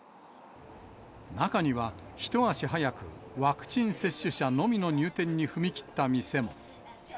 中には、一足早くワクチン接種者のみの入店に踏み切った店も。